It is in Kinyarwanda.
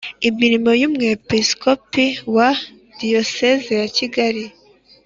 Imirimo y Umwepisikopi wa Diyoseze ya Kigali